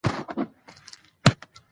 نفت د افغانستان د سیلګرۍ برخه ده.